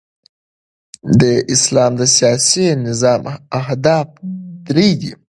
د اسلام د سیاسي نظام اهداف درې دي.